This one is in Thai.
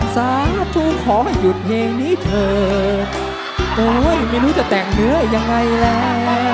สาธุขอให้หยุดเพลงนี้เถอะโอ้ยไม่รู้จะแต่งเนื้อยังไงล่ะ